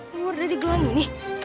luar dari gelang ini